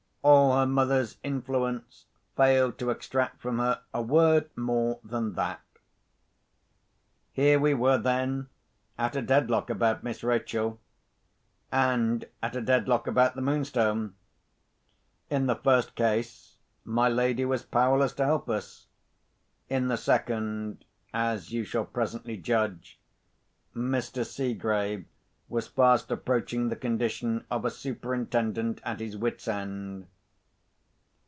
All her mother's influence failed to extract from her a word more than that. Here we were, then, at a dead lock about Miss Rachel—and at a dead lock about the Moonstone. In the first case, my lady was powerless to help us. In the second (as you shall presently judge), Mr. Seegrave was fast approaching the condition of a superintendent at his wits' end.